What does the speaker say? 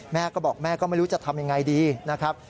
แม่ก็บอกแม่ก็ไม่รู้จะทำยังไงดีนะครับ